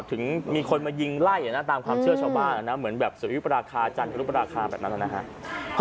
ถึงมีคนมายิงไล่ตามความเชื่อชาวบ้านนะเหมือนแบบสุริยุปราคาจันทรุปราคาแบบนั้นนะครับ